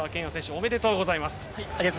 ありがとうございます。